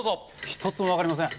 一つもわかりません。